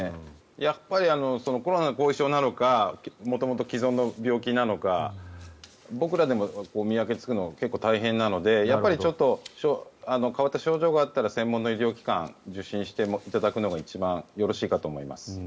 やっぱりコロナの後遺症なのか元々既存の病気なのか僕らでも見分けをつけるのが結構大変なので変わった症状があったら専門の医療機関を受診していただくのが一番よろしいかと思います。